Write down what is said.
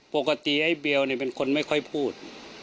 ปกติไอ้เบียวเป็นคนไม่ค่อยพูด